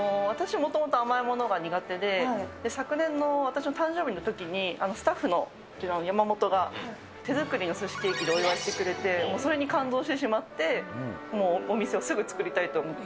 もともと甘いものが苦手で、昨年の私の誕生日のときに、スタッフのこちらの山本が手作りのすしケーキでお祝いしてくれて、それに感動してしまって、もうお店をすぐ作りたいと思って。